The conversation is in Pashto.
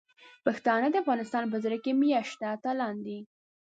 پښتانه د افغانستان په زړه کې میشته اتلان دي.